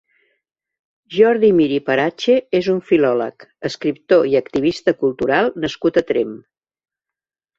Jordi Mir i Parache és un filòleg, escriptor i activista cultural nascut a Tremp.